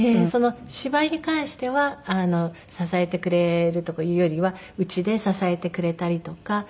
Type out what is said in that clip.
その芝居に関しては支えてくれるとかいうよりは家で支えてくれたりとか。